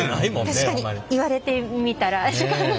確かに言われてみたら時間が。